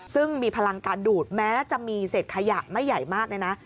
ซึ่งมีพลังการดูดแม้จะมีเศษขยะไม่ใหญ่มากเลยนะ